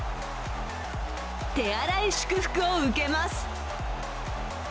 手荒い祝福を受けます。